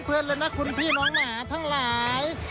เพื่อนเลยนะคุณพี่น้องหมาทั้งหลาย